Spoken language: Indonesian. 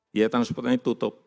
biaya transportasinya tutup